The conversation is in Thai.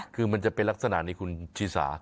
คือมันจะเป็นลักษณะนี้คุณชิสา